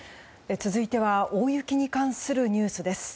続いては大雪に関するニュースです。